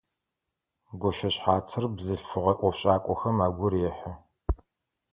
Гощэшъхьацыр бзылъфыгъэ ӏофшӏакӏохэм агу рехьы.